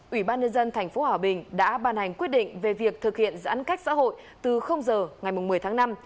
ủy ban nhân dân tp hòa bình đã ban hành quyết định về việc thực hiện giãn cách xã hội từ giờ ngày một mươi tháng năm